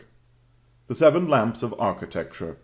THE SEVEN LAMPS OF ARCHITECTURE.